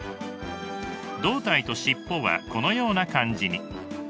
胴体と尻尾はこのような感じに。